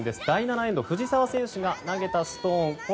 第７エンド、藤澤選手が投げたストーン。